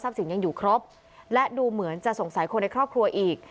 สินยังอยู่ครบและดูเหมือนจะสงสัยคนในครอบครัวอีก